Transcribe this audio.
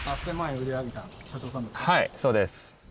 はいそうです。